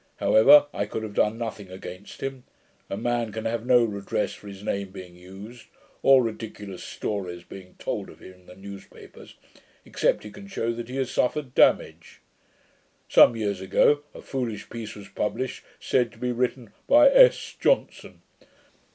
However, I could have done nothing against him. A man can have no redress for his name being used, or ridiculous stories being told of him in the news papers, except he can shew that he has suffered damage. Some years ago a foolish piece was published, said to be written "by S. Johnson".